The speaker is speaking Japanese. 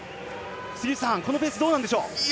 このペースどうなんでしょう？